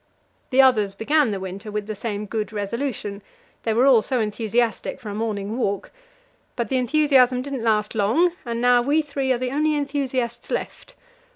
The others began the winter with the same good resolution; they were all so enthusiastic for a morning walk. But the enthusiasm didn't last long, and now we three are the only enthusiasts left.